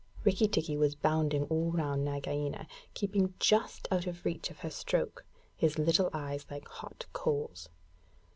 Rikki tikki was bounding all round Nagaina, keeping just out of reach of her stroke, his little eyes like hot coals.